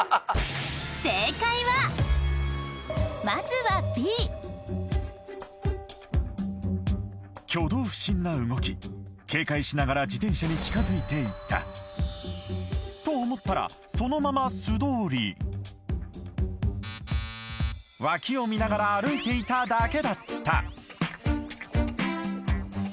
正解はまずはＢ挙動不審な動き警戒しながら自転車に近づいていったと思ったらそのまま素通り脇を見ながら歩いていただけだった